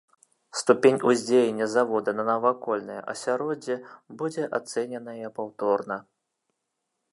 Ступень уздзеяння завода на навакольнае асяроддзе будзе ацэненая паўторна.